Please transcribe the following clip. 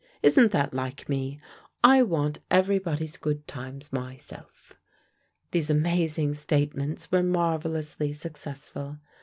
Isn't that like me? I want everybody's good times myself." These amazing statements were marvelously successful.